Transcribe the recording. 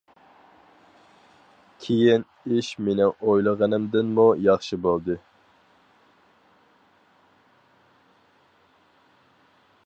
كىيىن ئىش مىنىڭ ئويلىغىنىمدىنمۇ ياخشى بولدى.